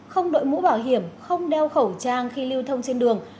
không đội mũ bảo hiểm không đeo khẩu trang khi lưu thông trên đường